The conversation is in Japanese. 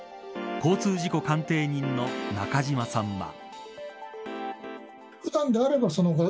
交通事故鑑定人の中島さんは。